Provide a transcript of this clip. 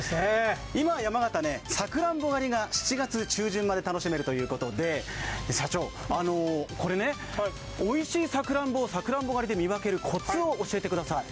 今、山形、さくらんぼ狩りが７月中旬まで楽しめるということで社長、おいしいさくらんぼをさくらんぼ狩りで見分けるこつを教えてください。